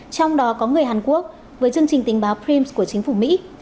trong đó có người hàn quốc với chương trình tình báo preams của chính phủ mỹ